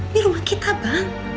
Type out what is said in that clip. di rumah kita bang